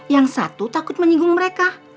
yang satu takut menyinggung mereka